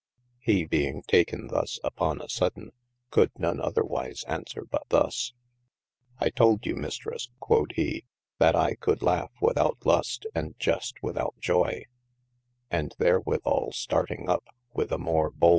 He being taken thus upon the sodaine, coulde none otherwise aunswere but thus : I toulde you mistres (quod, hee) that I coulde laugh without lust, and jest without joye : and therewithall starting up, with a more bold g.